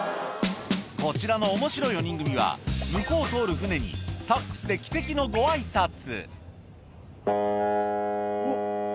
こちらのおもしろい４人組は、向こうを通る船に、サックスで汽笛のごあいさつ。